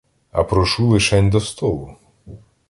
А прошу лишень до столу.